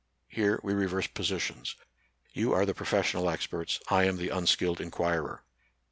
Here we reverse positions: you are the professional experts 5 I am the unskilled inquirer.